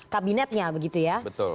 kabinetnya begitu ya